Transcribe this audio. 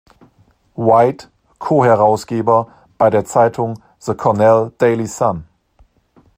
White Co-Herausgeber bei der Zeitung "The Cornell Daily Sun".